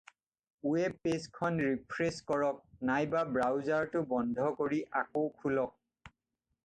Web পেজখন refresh কৰক নাইবা ব্ৰাউজাৰটো বন্ধ কৰি আকৌ খোলক।